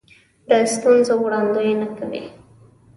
د ستونزو وړاندوینه کوي.